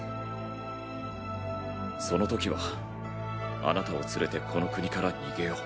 そのときはあなたを連れてこの国から逃げよう。